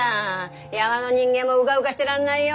山の人間もうかうかしてらんないよ！